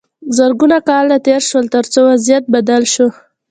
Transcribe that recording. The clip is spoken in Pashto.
زرګونه کاله تیر شول تر څو وضعیت بدل شو.